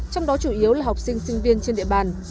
trong đó chủ yếu là học sinh sinh viên trên địa bàn